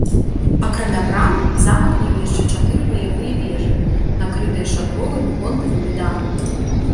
Акрамя брам замак меў яшчэ чатыры баявыя вежы, накрытыя шатровымі гонтавымі дахамі.